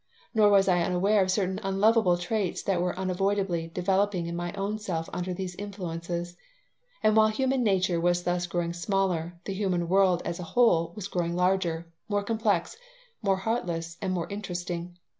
Nor was I unaware of certain unlovable traits that were unavoidably developing in my own self under these influences. And while human nature was thus growing smaller, the human world as a whole was growing larger, more complex, more heartless, and more interesting.